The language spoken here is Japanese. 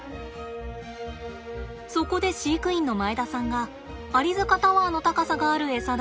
そこで飼育員の前田さんがアリ塚タワーの高さがあるエサ台